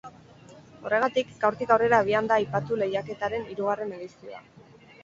Horregatik, gaurtik aurrera abian da aipatu lehiaketaren hirugarren edizioa.